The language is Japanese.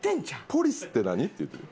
「ポリスって何」って言うてる。